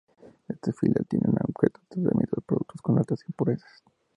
Esta filial tiene como objetivo el tratamiento de productos con altas impurezas.